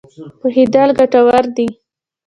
پوهېدل ګټور دی.